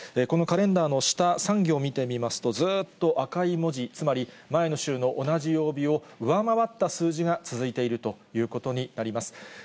このカレンダーの下３行見てみますと、ずっと赤い文字、つまり前の週の同じ曜日を上回った数字が続いているということになります。